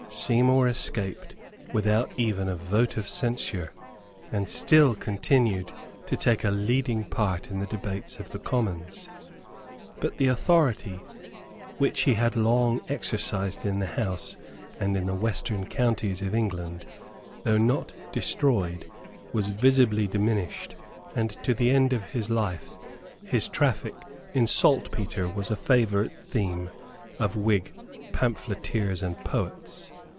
Seymour escaped without even a vote of censure, and still continued to take a leading part in the debates of the Commons. But the authority which he had long exercised in the House and in the western counties of England, though not destroyed, was visibly diminished; and, to the end of his life, his traffic in saltpetre was a favourite theme of Whig pamphleteers and poets.